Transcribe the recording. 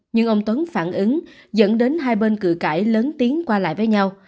nhưng ông tuấn phản ứng dẫn đến hai bên cử cãi lớn tiếng qua lại với nhau